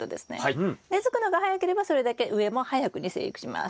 根づくのが早ければそれだけ上も早くに生育します。